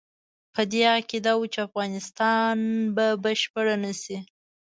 په دې عقیده وو چې افغانستان به بشپړ نه شي.